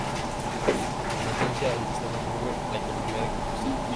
En esencia, el sistema sirve a la economía de combustible.